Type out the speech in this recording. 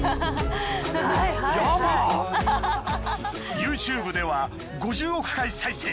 ＹｏｕＴｕｂｅでは５０億回再生。